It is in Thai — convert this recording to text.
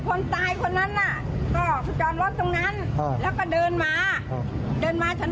พอมายิงลุงลุงฉันของผมก็ตกจ่ายมันได้ปืนมาหาหัวฉัน